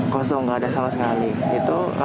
kosong nggak ada sama sekali itu